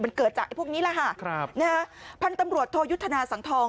มันเกิดจากไอ้พวกนี้แหละค่ะครับนะฮะพันธุ์ตำรวจโทยุทธนาสังทอง